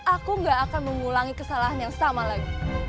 aku gak akan mengulangi kesalahan yang sama lagi